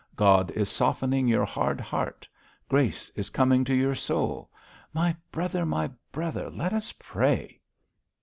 God is softening your hard heart. Grace is coming to your soul. My brother! my brother! let us pray.'